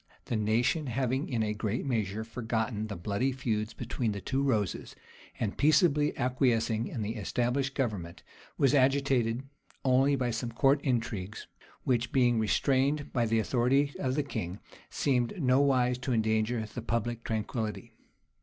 the nation having in a great measure forgotten the bloody feuds between the two roses, and peaceably acquiescing in the established government, was agitated only by some court intrigues, which, being restrained by the authority of the king, seemed nowise to endanger the public tranquillity.